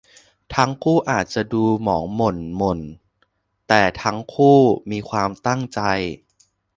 ทั้งคู่อาจจะดูหมองหม่นหม่นแต่ทั้งคู่มีความตั้งใจ